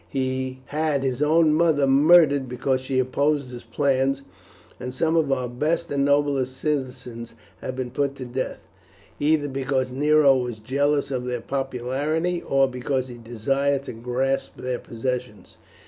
He had his own mother murdered because she opposed his plans, and some of our best and noblest citizens have been put to death, either because Nero was jealous of their popularity, or because he desired to grasp their possessions.